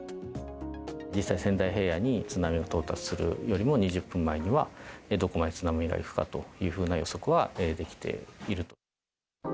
実際、仙台平野に津波が到達するよりも２０分前には、どこまで津波が行くかというふうな予測はできている。